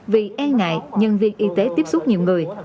vì e ngại nhân viên y tế tiếp xúc nhiều người